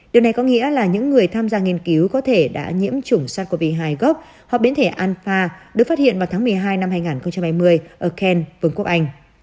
điều này có nghĩa là những người tham gia nghiên cứu có thể đã nhiễm chủng sars cov hai gốc hoặc biến thể anfa được phát hiện vào tháng một mươi hai năm hai nghìn hai mươi ở can vương quốc anh